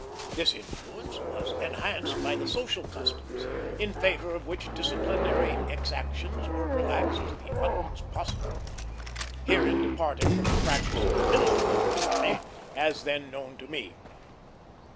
This influence was enhanced by the social customs, in favor of which disciplinary exactions were relaxed to the utmost possible; herein departing from the practice at the Military Academy, as then known to me.